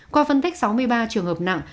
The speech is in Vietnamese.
qua phân tích sáu mươi ba trường hợp nặng